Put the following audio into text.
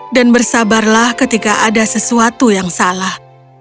dan bersabarlah ketika ada sesuatu yang salah